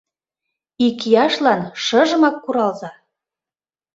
ИКИЯШЛАН ШЫЖЫМАК КУРАЛЗА!